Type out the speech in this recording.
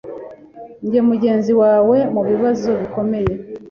Njye mugenzi wawe mubibazo bikomeye